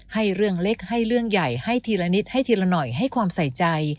ให้เรื่องเล็กให้เรื่องใหญ่ให้ทีละนิดให้ทีละหน่อยให้ความใส่ใจ